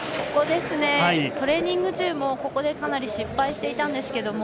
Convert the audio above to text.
トレーニング中もここでかなり失敗していたんですが。